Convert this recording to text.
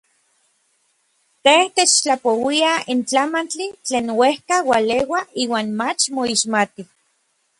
Tej techtlapouia n tlamantli tlen uejka ualeua iuan mach moixmati.